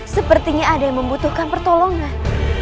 sepertinya ada yang membutuhkan pertolongan